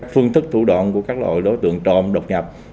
phương thức thủ đoạn của các loại đối tượng trộm độc nhập